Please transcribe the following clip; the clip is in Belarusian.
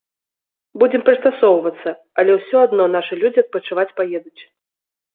Будзем прыстасоўвацца, але ўсё адно нашы людзі адпачываць паедуць.